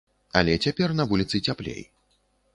Але цяпер на вуліцы цяплей.